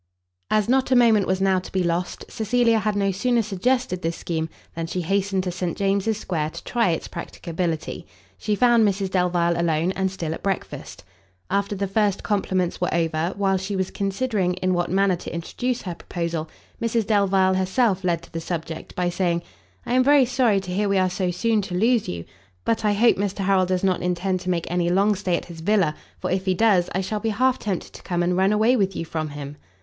As not a moment was now to be lost, Cecilia had no sooner suggested this scheme, than she hastened to St James's Square, to try its practicability. She found Mrs Delvile alone, and still at breakfast. After the first compliments were over, while she was considering in what manner to introduce her proposal, Mrs Delvile herself led to the subject, by saying, "I am very sorry to hear we are so soon to lose you; but I hope Mr Harrel does not intend to make any long stay at his villa; for if he does, I shall be half tempted to come and run away with you from him."